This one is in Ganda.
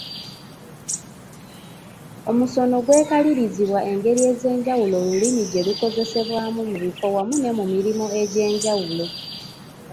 Omusono gwekalirizibwa engeri ez’enjawulo olulimi gye lukozesebwamu mu bifo wamu ne mu mirimu egy’enjawulo.